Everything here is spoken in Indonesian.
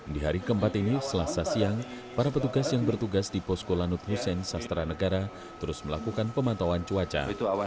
di hari keempat ini selasa siang para petugas yang bertugas di posko lanut hussein sastra negara terus melakukan pemantauan cuaca